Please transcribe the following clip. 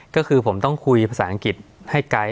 ก็คือผมต้องคุยภาษาอังกฤษให้ไกล